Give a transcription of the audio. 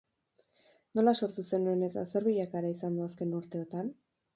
Nola sortu zenuen eta zer bilakaera izan du azken urteotan?